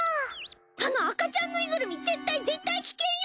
あの赤ちゃんぬいぐるみ絶対絶対危険よ！